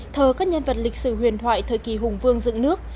thờ các nhân vật lịch sử huyền thoại thời kỳ hùng vương dựng nước